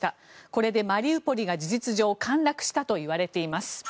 これでマリウポリが事実上、陥落したといわれています。